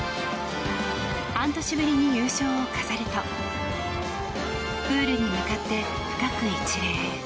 半年ぶりに優勝を飾るとプールに向かって深く一礼。